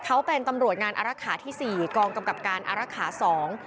เขาเป็นตำรวจงานอารักษาที่สี่กองกำกับการอารักษาสอง